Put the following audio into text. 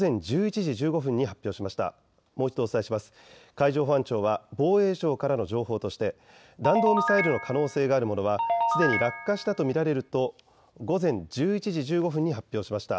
海上保安庁は防衛省からの情報として弾道ミサイルの可能性があるものはすでに落下したと見られると午前１１時１５分に発表しました。